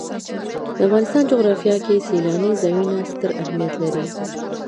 د افغانستان جغرافیه کې سیلانی ځایونه ستر اهمیت لري.